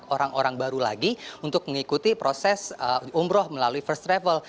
orang orang baru lagi untuk mengikuti proses umroh melalui first travel